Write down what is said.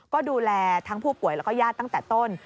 ก็ดูแลทั้งผู้ป่วยแล้วก็ญาติตั้งแต่ต้น